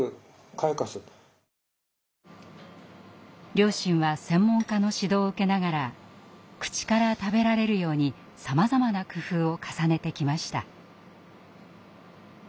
両親は専門家の指導を受けながら口から食べられるようにさまざまな工夫を重ねてきました。